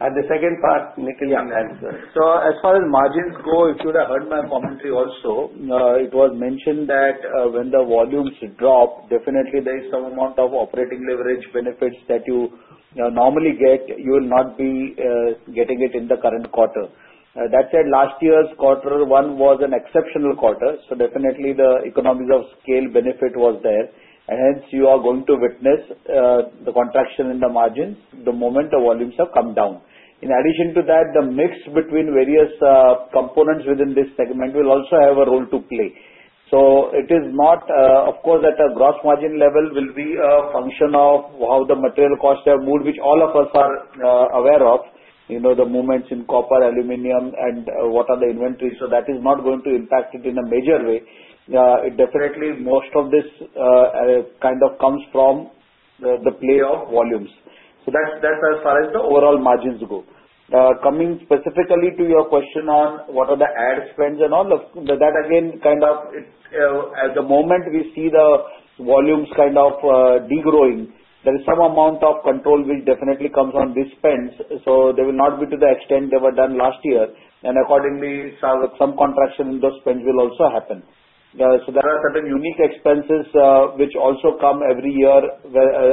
The second part, Nikhil can answer. As far as margins go, if you'd have heard my commentary also, it was mentioned that when the volume should drop, definitely there is some amount of operating leverage benefits that you normally get. You will not be getting it in the current quarter. That said, last year's quarter one was an exceptional quarter. Definitely, the economics of scale benefit was there, and hence, you are going to witness the contraction in the margins the moment the volumes have come down. In addition to that, the mix between various components within this segment will also have a role to play. It is not, of course, at a gross margin level; it will be a function of how the material costs have moved, which all of us are aware of. You know the movements in copper, aluminum, and what are the inventories. That is not going to impact it in a major way. Most of this kind of comes from the play of volumes. That's as far as the overall margins go. Coming specifically to your question on what are the ad spends and all of that, again, at the moment we see the volumes kind of degrowing, there is some amount of control which definitely comes on these spends. They will not be to the extent they were done last year, and accordingly, some contraction in those spends will also happen. There are certain unique expenses which also come every year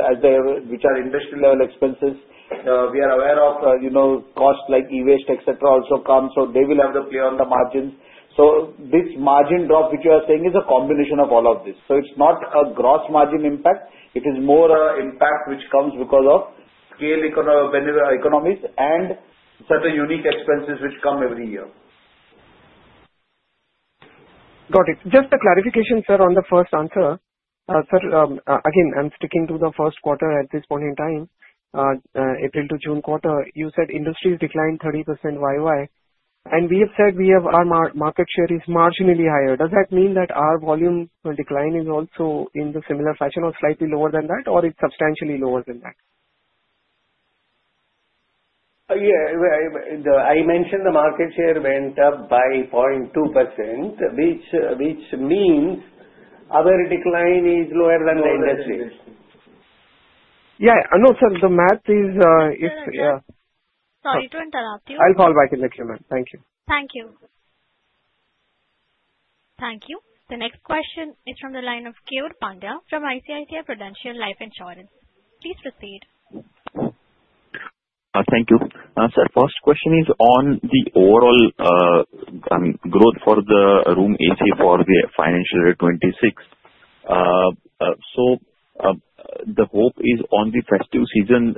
as they are, which are industry-level expenses. We are aware of costs like e-waste, etc., also come. They will have the play on the margins. This margin drop, which you are saying, is a combination of all of this. It's not a gross margin impact. It is more an impact which comes because of real economies and certain unique expenses which come every year. Got it. Just a clarification, sir, on the first answer. Sir, again, I'm sticking to the first quarter at this point in time, April to June quarter. You said industry has declined 30% YOY. We have said we have our market share is marginally higher. Does that mean that our volume decline is also in the similar fashion or slightly lower than that, or it's substantially lower than that? Yeah, I mentioned the market share went up by 0.2%, which means our decline is lower than the industry's. Yeah, no, sir, the math is, yeah. Sorry to interrupt you. I'll call back in a few minutes. Thank you. Thank you. Thank you. The next question is from the line of Nikhil Pandya from ICICI Prudential Life Insurance. Please proceed. Thank you. Sir, first question is on the overall growth for the room air conditioners for the financial year 2026. The hope is on the festive season.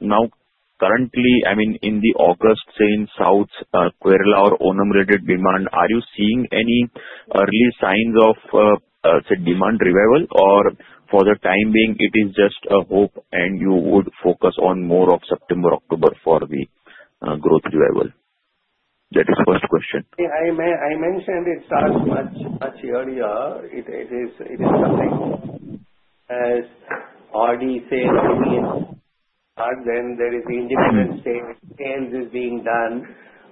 Now, currently, in August, say in South, Kerala or Onam-related demand, are you seeing any early signs of, say, demand revival? For the time being, it is just a hope and you would focus on more of September, October for the growth revival? That is the first question. I mentioned it starts much earlier. It is something as R&D says in the arts and there is the industry sales is being done,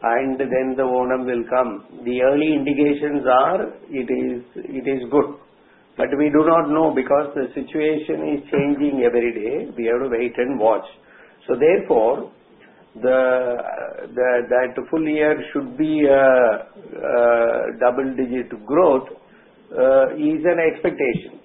and then the Onam will come. The early indications are it is good. We do not know because the situation is changing every day. We have to wait and watch. Therefore, that full year should be a double-digit growth is an expectation.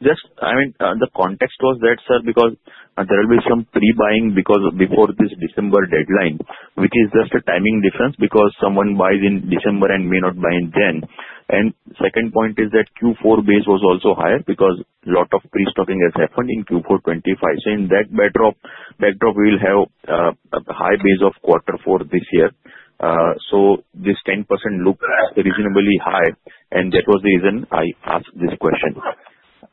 The context was that, sir, because there will be some pre-buying before this December deadline, which is just a timing difference because someone buys in December and may not buy in 2025. The second point is that the Q4 base was also higher because a lot of pre-stocking has happened in Q4 2025, saying that backdrop will have a high base of quarter for this year. This 10% looked reasonably high. That was the reason I asked this question.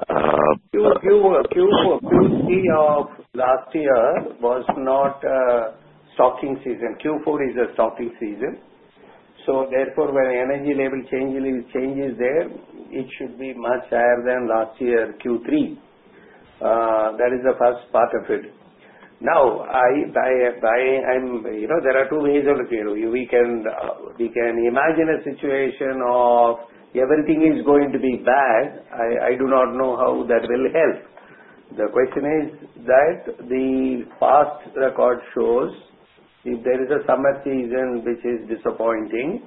Q3 of last year was not a stocking season. Q4 is a stocking season. Therefore, when energy level changes there, it should be much higher than last year, Q3. That is the first part of it. Now, there are two ways of looking at it. We can imagine a situation of everything is going to be bad. I do not know how that will help. The question is that the past record shows if there is a summer season which is disappointing,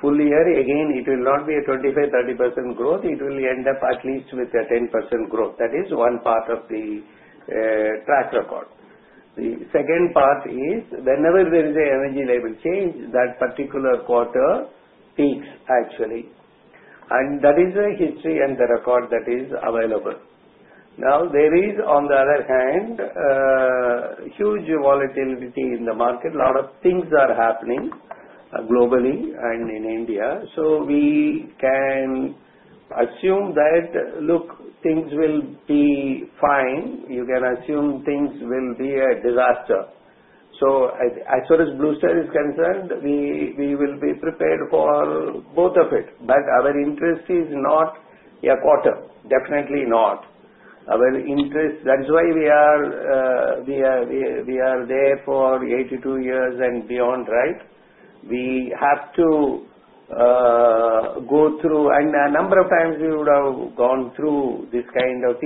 full year, again, it will not be a 25%, 30% growth. It will end up at least with a 10% growth. That is one part of the track record. The second part is whenever there is an energy level change, that particular quarter peaks, actually. That is the history and the record that is available. Now, there is, on the other hand, a huge volatility in the market. A lot of things are happening globally and in India. We can assume that, look, things will be fine. You can assume things will be a disaster. As far as Blue Star is concerned, we will be prepared for both of it. Our interest is not a quarter. Definitely not. Our interest, that's why we are there for 82 years and beyond, right? We have to go through, and a number of times we would have gone through this kind of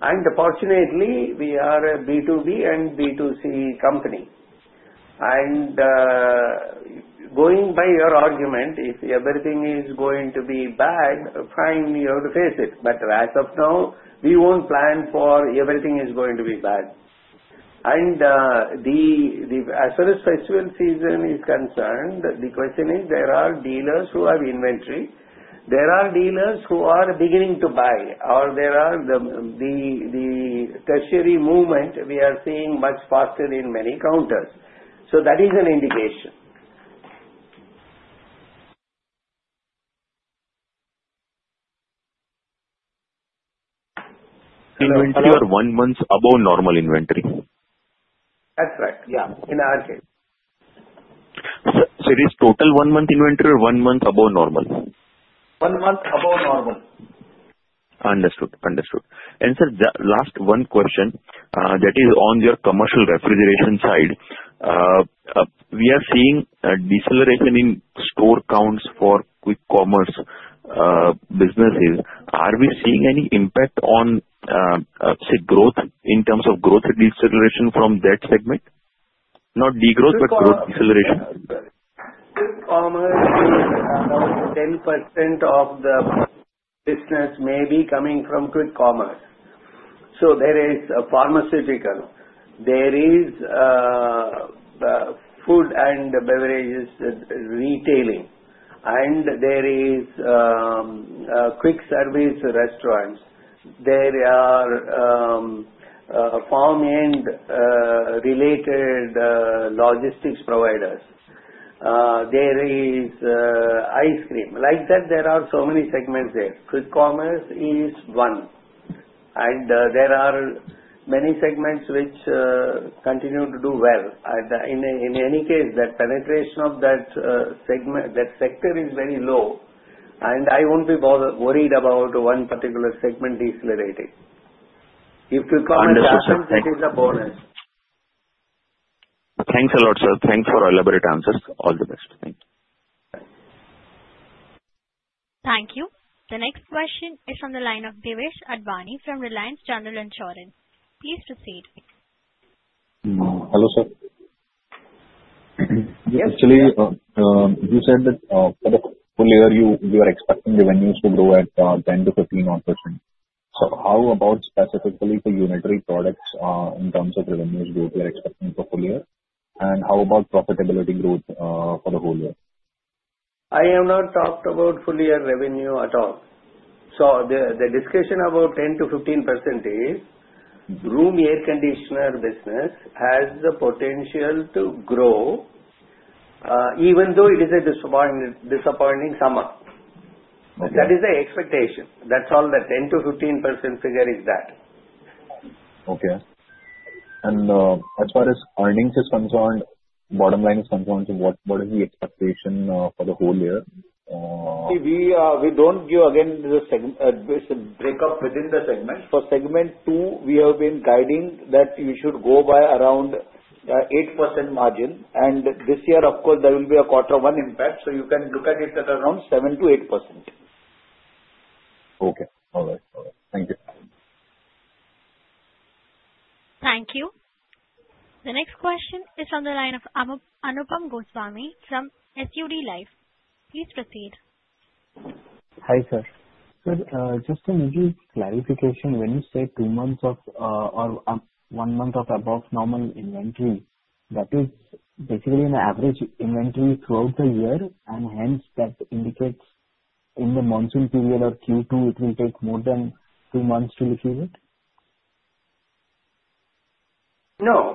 periods. Fortunately, we are a B2B and B2C company. Going by your argument, if everything is going to be bad, fine, you have to face it. As of now, we won't plan for everything is going to be bad. As far as festival season is concerned, the question is there are dealers who have inventory. There are dealers who are beginning to buy, or there are the tertiary movement we are seeing much faster in many counters. That is an indication. Inventory or one month above normal inventory? That's right. Yeah, in our case. Is it total one month inventory or one month above normal? One month above normal. Understood. Sir, last one question. That is on your commercial refrigeration side. We are seeing deceleration in store counts for quick commerce businesses. Are we seeing any impact on, say, growth in terms of growth with deceleration from that segment? Not degrowth, but growth deceleration. 10% of the business may be coming from quick commerce. There is pharmaceutical, food and beverages retailing, and quick service restaurants. There are farm and related logistics providers. There is ice cream. Like that, there are so many segments there. Quick commerce is one, and there are many segments which continue to do well. In any case, that penetration of that sector is very low. I won't be worried about one particular segment decelerating if quick commerce is above us. Thanks a lot, sir. Thanks for elaborate answers. All the best. Thank you. Thank you. The next question is from the line of Devesh Advani from Reliance General Insurance. Please proceed. Hello, sir. Actually, you said that for the full year, you are expecting revenues to go at 10%-15%. How about specifically for unitary cooling products in terms of revenues that you're expecting for full year? How about profitability growth for the whole year? I have not talked about full year revenue at all. The discussion about 10%-15% is room air conditioner business has the potential to grow even though it is a disappointing summer. That is the expectation. That's all the 10%-15% figure is that. Okay. As far as earnings is concerned, bottom line is concerned, what is the expectation for the whole year? See, we don't give, again, the breakup within the segment. For segment two, we have been guiding that you should go by around 8% margin. This year, of course, there will be a quarter one impact. You can look at it at around 7%-8%. Okay. All right. Thank you. Thank you. The next question is on the line of Anupam Goswami from SUD Life. Please proceed. Hi, sir. Sir, just an easy clarification. When you say two months of or one month of above normal inventory, that is basically an average inventory throughout the year. Hence, that indicates in the monsoon period or Q2, it will take more than three months to liquidate?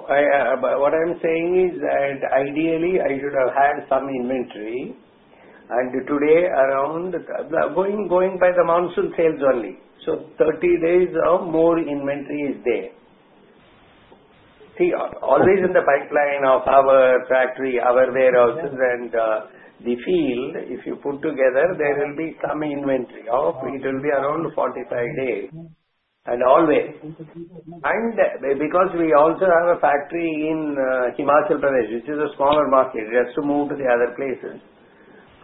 What I'm saying is that ideally, I should have had some inventory. Today, going by the monsoon sales only, 30 days or more inventory is there. Always in the pipeline of our factory, our warehouses, and the field, if you put together, there will be some inventory. It will be around 45 days always. Because we also have a factory in Himachal Pradesh, which is a smaller market, it has to move to the other places.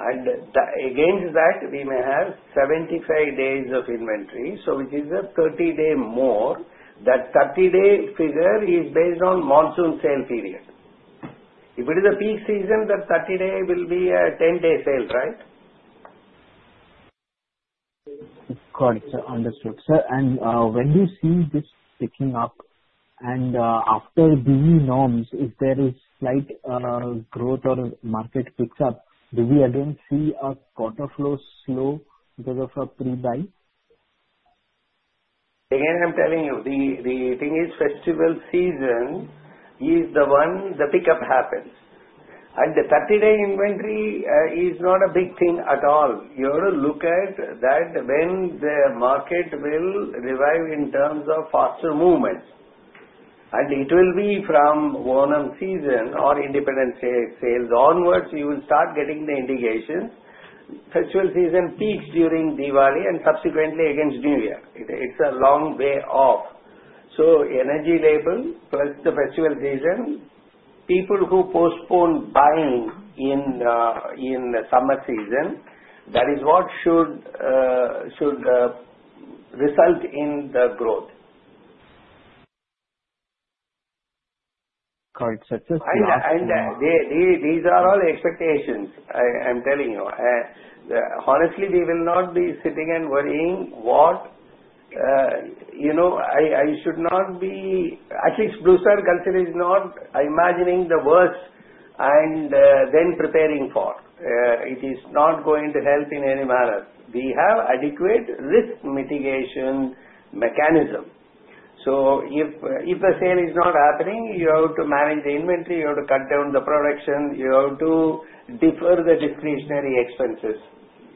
Against that, we may have 75 days of inventory, which is 30 days more. That 30-day figure is based on monsoon sale period. If it is a peak season, that 30-day will be a 10-day sale, right? Got it, sir. Understood, sir. When we see this picking up, after these norms, if there is slight growth or market picks up, do we again see a quarter flow slow because of a pre-buy? I'm telling you, the thing is festival season is the one the pickup happens. The 30-day inventory is not a big thing at all. You have to look at that when the market will revive in terms of faster movements. It will be from Onam season or independent sales onwards. You will start getting the indications. Festival season peaks during Diwali and subsequently against New Year. It's a long way off. Energy level plus the festival season, people who postpone buying in the summer season, that is what should result in the growth. Got it, sir. These are all expectations. I'm telling you honestly, we will not be sitting and worrying. I should not be, at least Blue Star considering not imagining the worst and then preparing for it. It is not going to help in any manner. We have adequate risk mitigation mechanism. If the sale is not happening, you have to manage the inventory. You have to cut down the production. You have to defer the discretionary expenses.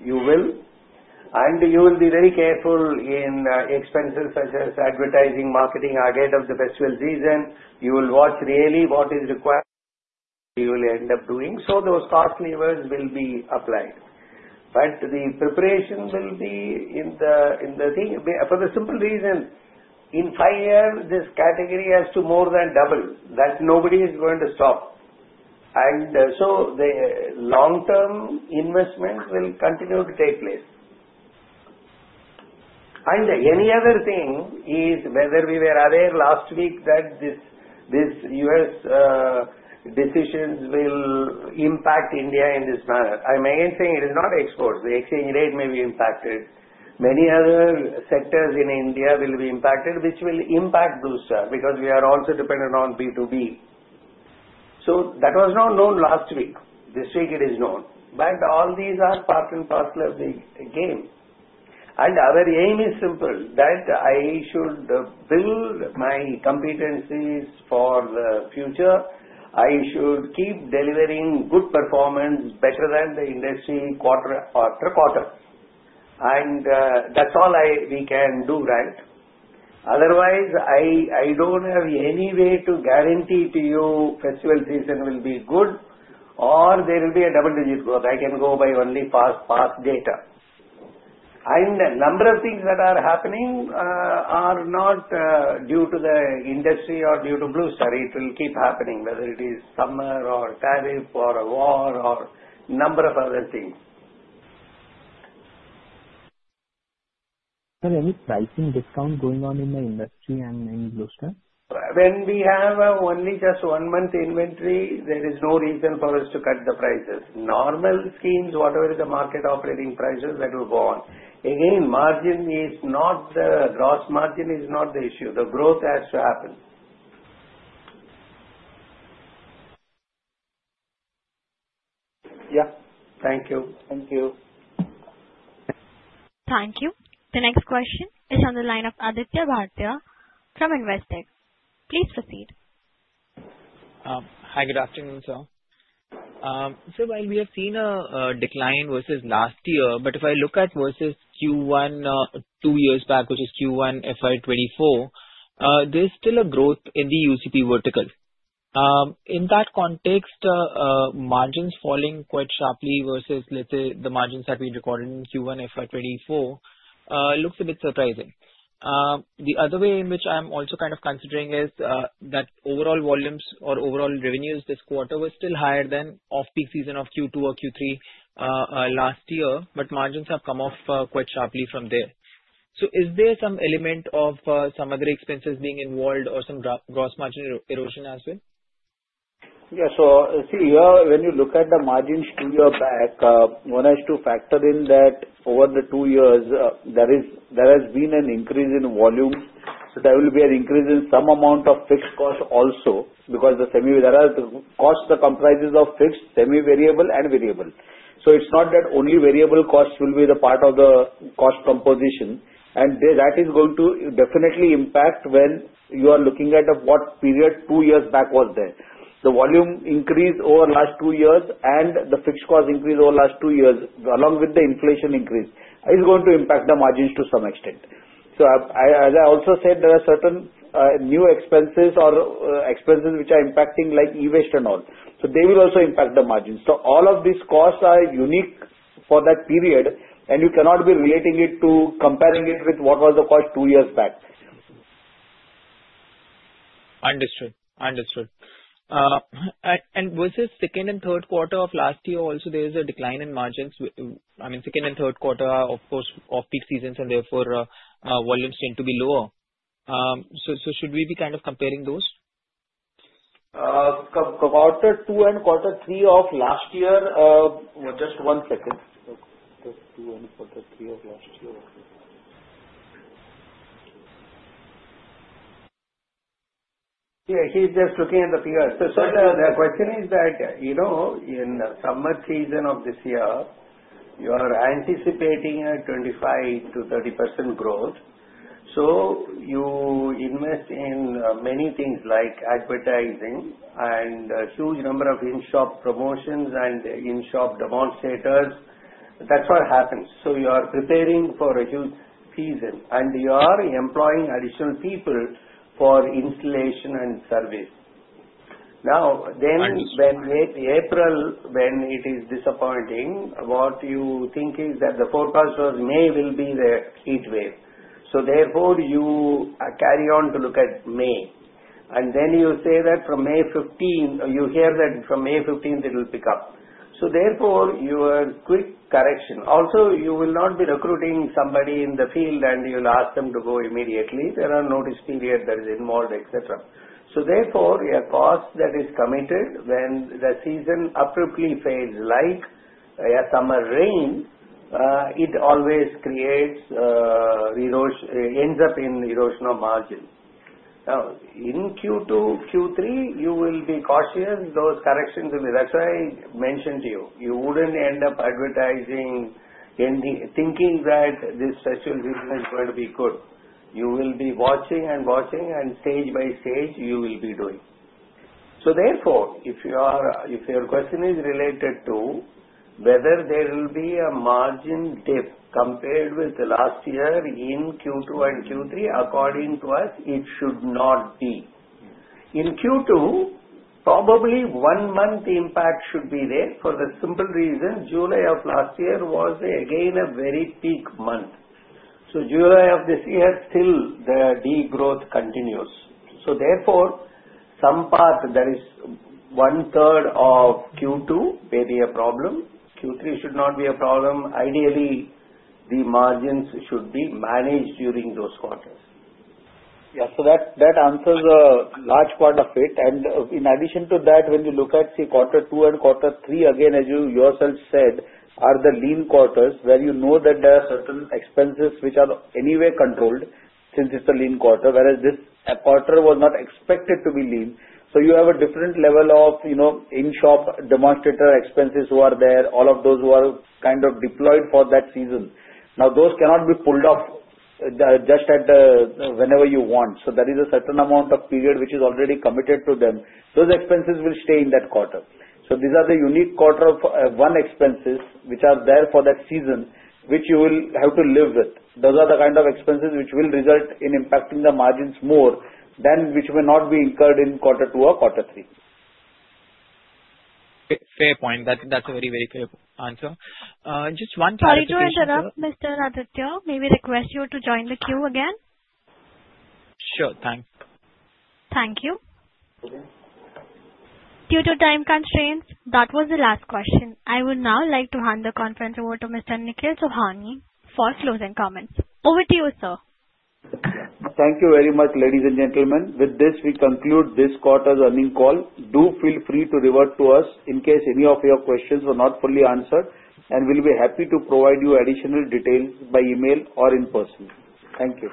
You will be very careful in the expenses such as advertising, marketing, ahead of the festival season. You will watch really what is required. You will end up doing so. Those cost levers will be applied. The preparation will be in the thing for the simple reason, in five years, this category has to more than double. That nobody is going to stop. The long-term investment will continue to take place. Any other thing is whether we were aware last week that this U.S. decision will impact India in this manner. I'm again saying it is not exports. The exchange rate may be impacted. Many other sectors in India will be impacted, which will impact Blue Star because we are also dependent on B2B. That was not known last week. This week it is known. All these are part and parcel of the game. Our aim is simple, that I should build my competencies for the future. I should keep delivering good performance better than the industry quarter after quarter. That's all we can do, right? Otherwise, I don't have any way to guarantee to you festival season will be good or there will be a double-digit growth. I can go by only past data. A number of things that are happening are not due to the industry or due to Blue Star. It will keep happening, whether it is summer or tariff or a war or a number of other things. Are there any pricing discounts going on in the industry and in Blue Star? When we have a one-month inventory, there is no reason for us to cut the prices. Normal schemes, whatever the market operating prices, that will go on. Again, margin is not the gross margin is not the issue. The growth has to happen. Yeah. Thank you. Thank you. Thank you. The next question is on the line of Aditya Bhatia from Investec. Please proceed. Hi, good afternoon, sir. While we have seen a decline versus last year, if I look at versus Q1 two years back, which is Q1 FY 2024, there's still a growth in the UCP vertical. In that context, margins falling quite sharply versus, let's say, the margins that we recorded in Q1 FY 2024 looks a bit surprising. The other way in which I'm also kind of considering is that overall volumes or overall revenues this quarter were still higher than off-peak season of Q2 or Q3 last year, but margins have come off quite sharply from there. Is there some element of some other expenses being involved or some gross margin erosion as well? Yeah. See, here, when you look at the margins two years back, one has to factor in that over the two years, there has been an increase in volumes. There will be an increase in some amount of fixed costs also because the cost comprises fixed, semi-variable, and variable. It's not that only variable costs will be part of the cost composition. That is going to definitely impact when you are looking at what period two years back was there. The volume increase over the last two years and the fixed cost increase over the last two years, along with the inflation increase, is going to impact the margins to some extent. As I also said, there are certain new expenses or expenses which are impacting like e-waste and all. They will also impact the margins. All of these costs are unique for that period, and you cannot be relating it to comparing it with what was the cost two years back. Understood. Versus second and third quarter of last year, also there is a decline in margins. Second and third quarter, of course, are off-peak seasons and therefore volumes tend to be lower. Should we be kind of comparing those? Quarter two and quarter three of last year. Just one second. Quarter two and quarter three of last year. Yeah, he's just looking at the PR. The question is that you know in the summer season of this year, you are anticipating a 25%-30% growth. You invest in many things like advertising and a huge number of in-shop promotions and in-shop demonstrators. That's what happens. Preparing for a huge season, and you are employing additional people for installation and service. Now, when April is disappointing, what you think is that the forecast says May will be the heat wave. Therefore, you carry on to look at May. Then you say that from May 15, you hear that from May 15, it will pick up. Therefore, your quick correction. Also, you will not be recruiting somebody in the field and you'll ask them to go immediately. There are notice periods that are involved, etc. Therefore, a cost that is committed when the season abruptly fails, like a summer rain, always creates, ends up in erosional margin. In Q2, Q3, you will be cautious. Those corrections will be, that's why I mentioned to you, you wouldn't end up advertising and thinking that this special reason is going to be good. You will be watching and watching, and stage by stage, you will be doing. Therefore, if your question is related to whether there will be a margin dip compared with last year in Q2 and Q3, according to us, it should not be. In Q2, probably one month impact should be there for the simple reason July of last year was again a very peak month. July of this year, still the degrowth continues. Therefore, some part that is one third of Q2 may be a problem. Q3 should not be a problem. Ideally, the margins should be managed during those quarters. Yeah, that answers a large part of it. In addition to that, when you look at, say, quarter two and quarter three, again, as you yourself said, are the lean quarters where you know that there are certain expenses which are anyway controlled since it's a lean quarter, whereas this quarter was not expected to be lean. You have a different level of, you know, in-shop demonstrator expenses who are there, all of those who are kind of deployed for that season. Now, those cannot be pulled off just whenever you want. There is a certain amount of period which is already committed to them. Those expenses will stay in that quarter. These are the unique quarter one expenses which are there for that season, which you will have to live with. Those are the kind of expenses which will result in impacting the margins more than which may not be incurred in quarter two or quarter three. Fair point. That's a very, very clear answer. Just one thing. Sorry to interrupt, Mr. Aditya. May we request you to join the queue again? Sure. Thanks. Thank you. Due to time constraints, that was the last question. I would now like to hand the conference over to Mr. Nikhil Sohoni for closing comments. Over to you, sir. Thank you very much, ladies and gentlemen. With this, we conclude this quarter's earnings call. Do feel free to revert to us in case any of your questions were not fully answered, and we'll be happy to provide you additional details by email or in person. Thank you.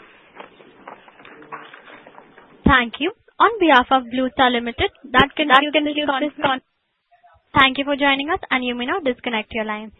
Thank you. On behalf of Blue Star Limited, that concludes our correspondence. Thank you for joining us, and you may now disconnect your lines.